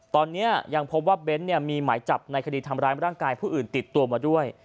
ตอนนี้ยังพบว่าเบ้นมีหมายจับในคดีทำร้ายร่างกายผู้อื่นติดตัวมาด้วย